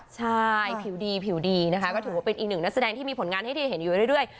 ใช่ผิวดีผิวดีนะคะก็ถือว่าเป็นอีกหนึ่งนักแสดงที่มีผลงานให้ได้เห็นอยู่เรื่อย